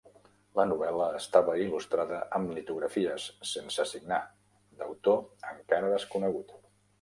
La novel·la estava il·lustrada amb litografies sense signar, d'autor encara desconegut.